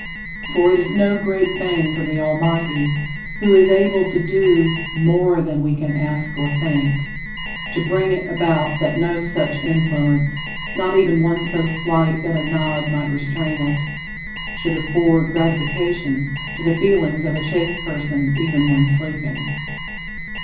For it is no great thing for the Almighty, who is "able to do ... more than we can ask or think," to bring it about that no such influence not even one so slight that a nod might restrain it should afford gratification to the feelings of a chaste person even when sleeping.